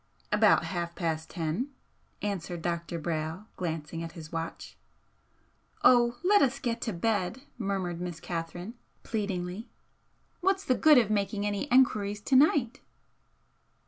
"About half past ten," answered Dr. Brayle, glancing at his watch. "Oh, let us get to bed!" murmured Miss Catherine, pleadingly "What's the good of making any enquiries to night?"